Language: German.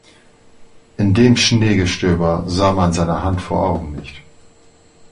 In dem Schneegestöber sah man seine Hand vor Augen nicht.